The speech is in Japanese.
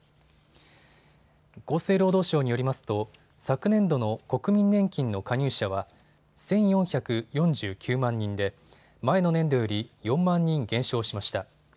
厚生労働省によりますと昨年度の国民年金の加入者は１４４９万人で前の年度より４万人減少しました。